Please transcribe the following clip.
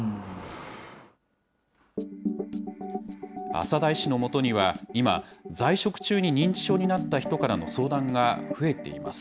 朝田医師のもとには今、在職中に認知症になった人からの相談が増えています。